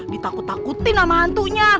ditakut takutin sama hantunya